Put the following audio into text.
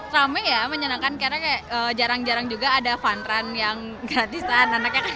rame ya menyenangkan kayaknya jarang jarang juga ada fun run yang gratisan